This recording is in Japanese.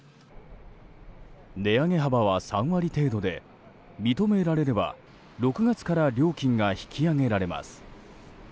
値上げ幅は３割程度で認められれば６月から料金が引き上げられます。